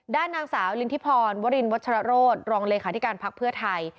ด้านนางสาวลินทิพรวรินวัชรโรธรองเลขาธิการพักเพื่อไทย